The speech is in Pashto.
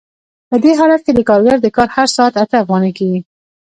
په دې حالت کې د کارګر د کار هر ساعت اته افغانۍ کېږي